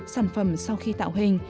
sản phẩm sau khi tạo hình